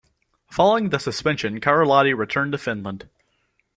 Following the suspension, Karalahti returned to Finland.